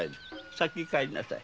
先に帰りなさい。